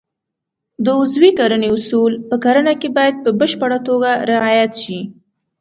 د عضوي کرنې اصول په کرنه کې باید په بشپړه توګه رعایت شي.